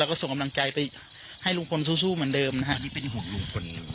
แล้วก็ส่งกำลังใจไปให้ลุงพลสู้เหมือนเดิมนะฮะที่เป็นห่วงลุงพลอยู่